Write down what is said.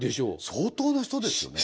相当な人ですよね。